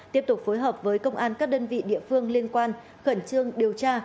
tiếp tục phối hợp với công an các đơn vị địa phương liên quan khẩn trương điều tra